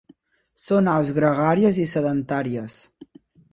Són aus gregàries i sedentàries.